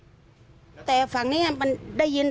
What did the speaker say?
แต่มันถือปืนมันไม่รู้นะแต่ตอนหลังมันจะยิงอะไรหรือเปล่าเราก็ไม่รู้นะ